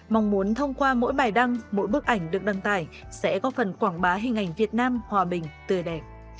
mong muốn thông qua mỗi bài đăng mỗi bức ảnh được đăng tải sẽ có phần quảng bá hình ảnh việt nam hòa bình tươi đẹp